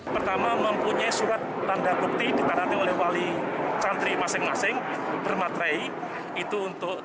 pertama mempunyai surat tanda bukti ditanami oleh wali santri masing masing bermaterai itu untuk